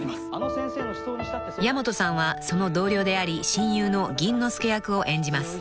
［矢本さんはその同僚であり親友の銀之助役を演じます］